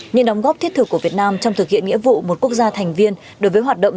những đóng góp thiết thực của việt nam trong thực hiện nghĩa vụ một quốc gia thành viên đối với hoạt động